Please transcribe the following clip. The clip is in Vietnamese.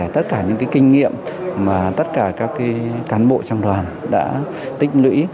tất cả những kinh nghiệm mà tất cả các cán bộ trong đoàn đã tích lũy